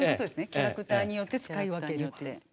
キャラクターによって使い分ける。